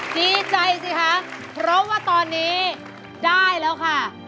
ดีใจสิคะเพราะว่าตอนนี้ได้แล้วค่ะ